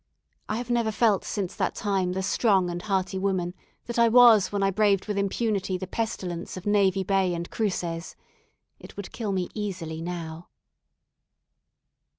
I have never felt since that time the strong and hearty woman that I was when I braved with impunity the pestilence of Navy Bay and Cruces. It would kill me easily now.